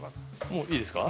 もういいですか？